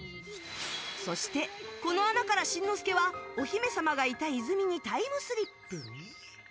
そして、この穴からしんのすけはお姫様がいた泉にタイムスリップ。